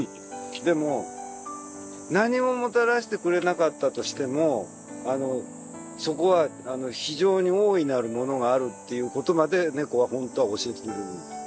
でも何ももたらしてくれなかったとしてもそこは非常に大いなるものがあるっていうことまで猫は本当は教えてくれるんだよ。